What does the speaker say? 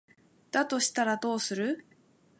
だとしたらどうする？